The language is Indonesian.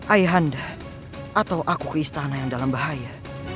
ayahanda atau aku ke istana yang dalam bahaya